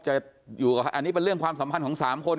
จะอยู่กับอันนี้เป็นเรื่องความสัมพันธ์ของ๓คน